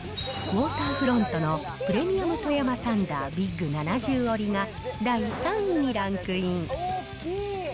ウォーターフロントのプレミアム富山サンダー・ビッグ７０折が、第３位にランクイン。